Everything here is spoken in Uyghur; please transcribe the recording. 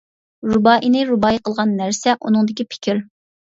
رۇبائىينى رۇبائىي قىلغان نەرسە ئۇنىڭدىكى پىكىر.